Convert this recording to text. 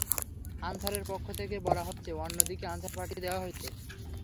অনসারের পক্ষ থেকে বলা হচ্ছে, অন্য দিকে আনসার পাঠিয়ে দেওয়া হয়েছে।